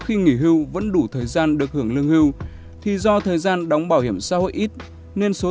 khi nghỉ hưu vẫn đủ thời gian được hưởng lương hưu thì do thời gian đóng bảo hiểm xã hội ít nên số